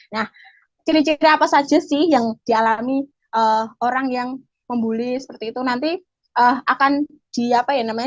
nah ciri ciri apa saja sih yang dialami orang yang membuli seperti itu nanti akan di apa ya namanya